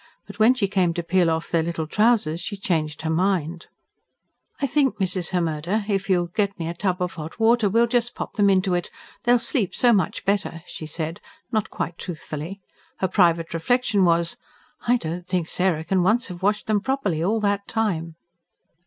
But when she came to peel off their little trousers she changed her mind. "I think, Mrs. Hemmerde, if you'll get me a tub of hot water, we'll just pop them into it; they'll sleep so much better," she said ... not quite truthfully. Her private reflection was: "I don't think Sarah can once have washed them properly, all that time."